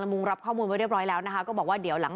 ชั่วโมงละใช่ไหมชั่วโมงหว่าถ้าหายเขาไม่ได้